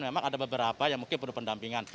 memang ada beberapa yang mungkin perlu pendampingan